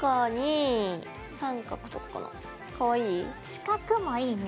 四角もいいね。